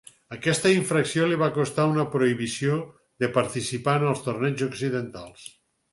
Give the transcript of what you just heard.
Aquesta infracció li va costar una prohibició de participar en els torneigs occidentals.